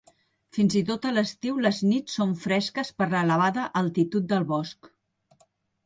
Fins i tot a l'estiu les nits són fresques per l'elevada altitud del bosc.